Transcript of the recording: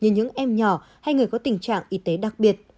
như những em nhỏ hay người có tình trạng y tế đặc biệt